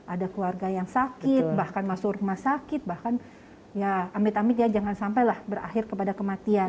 ada keluarga yang sakit bahkan masuk rumah sakit bahkan ya amit amit ya jangan sampai lah berakhir kepada kematian